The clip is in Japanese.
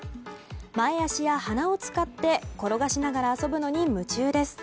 前脚や鼻を使って転がしながら遊ぶのに夢中です。